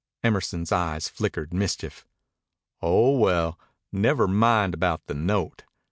Emerson's eyes flickered mischief. "Oh, well, never mind about the note.